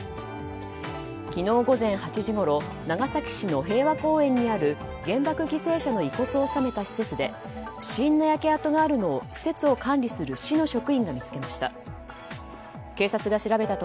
昨日午前８時ごろ長崎市の平和公園にある原爆犠牲者の遺骨を納めた施設で不審な焼け跡があるのを施設を管理する市の職員が見つけました。